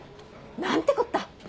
何てこった！